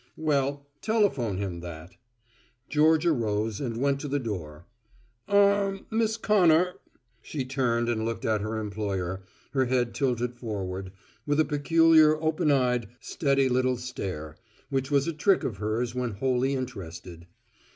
"Well, telephone him that." Georgia rose and went to the door. "Ah Miss Connor " She turned and looked at her employer, her head tilted forward, with a peculiar open eyed, steady little stare, which was a trick of hers when wholly interested.